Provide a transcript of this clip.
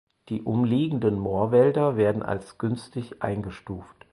Die umliegenden Moorwälder werden als günstig eingestuft.